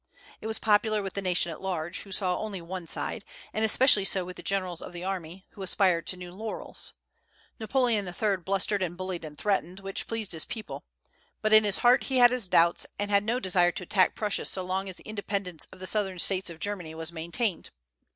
It was popular with the nation at large, who saw only one side; and especially so with the generals of the army, who aspired to new laurels. Napoleon III. blustered and bullied and threatened, which pleased his people; but in his heart he had his doubts, and had no desire to attack Prussia so long as the independence of the southern States of Germany was maintained.